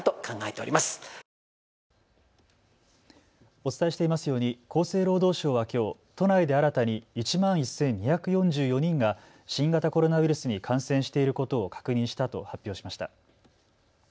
お伝えしていますように厚生労働省はきょう都内で新たに１万１２４４人が新型コロナウイルスに感染していることを確認したと発表しました。